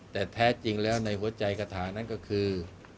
แต่แท้จริงแล้วในหัวใจกระถานั้นก็คือ